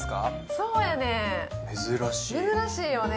そうやねん珍しいよね